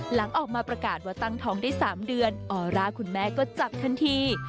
หลังออกมาประกาศว่าตั้งท้องได้๓เดือนออร่าคุณแม่ก็จับทันที